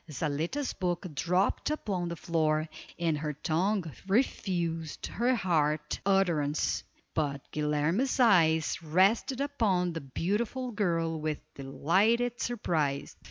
Zaletta's book dropped upon the floor, and her tongue refused her heart utterance, but Guilerme's eyes rested upon the beautiful girl with delighted surprise.